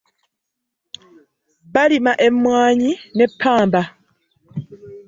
Balima emmwanyi ne ppamba.